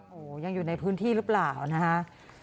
โอ้โหยังอยู่ในพื้นที่หรือเปล่านะฮะ